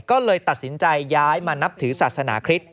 ก็เลยตัดสินใจย้ายมานับถือศาสนาคริสต